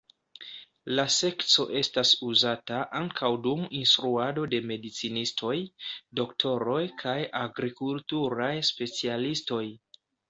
La sekco estas uzata ankaŭ dum instruado de medicinistoj, doktoroj kaj agrikulturaj specialistoj.